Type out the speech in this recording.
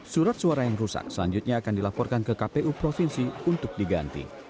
surat suara yang rusak selanjutnya akan dilaporkan ke kpu provinsi untuk diganti